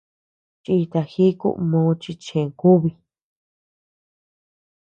Chìta jíku mo chi chë kúbi.